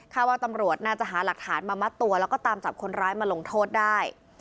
ว่าตำรวจน่าจะหาหลักฐานมามัดตัวแล้วก็ตามจับคนร้ายมาลงโทษได้